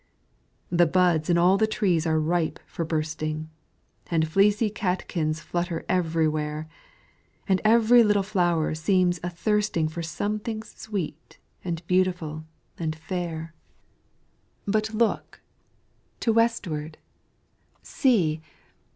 The buds in all the trees, are ripe for bursting, And fleecy catkins flutter everywhere, And every little flower seems a thirsting For something sweet and beautiful and fair. But look! to Westward see!